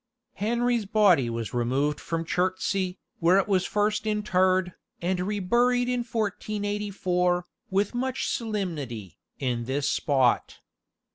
Henry's body was removed from Chertsey, where it was first interred, and reburied in 1484, with much solemnity, in this spot.